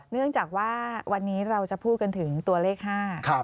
เนื่องจากว่าวันนี้เราจะพูดกันถึงตัวเลขห้า